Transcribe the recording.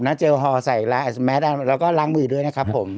นะเจลหอใส่และแอสแมชเราก็ล้างมือด้วยนะครับผม